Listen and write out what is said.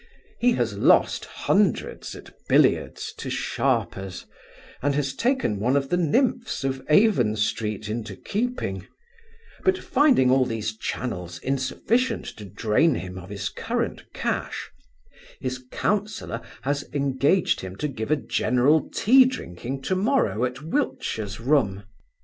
He has lost hundreds at billiards to sharpers, and taken one of the nymphs of Avon street into keeping; but, finding all these channels insufficient to drain him of his current cash, his counsellor has engaged him to give a general tea drinking to morrow at Wiltshire's room.